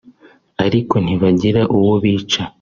ariko ntibagira uwo bica